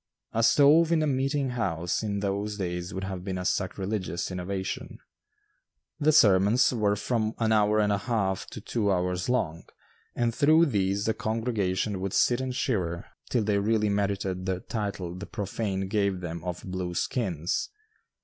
A stove in a meeting house in those days would have been a sacrilegious innovation. The sermons were from an hour and one half to two hours long, and through these the congregation would sit and shiver till they really merited the title the profane gave them of "blue skins."